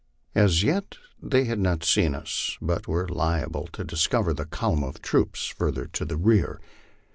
As yet they had not seen us, but were liable to discover the column of troops further to the rear.